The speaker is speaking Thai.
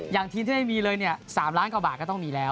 อย่างทีมที่ไม่มีเลยเนี่ย๓ล้านกว่าบาทก็ต้องมีแล้ว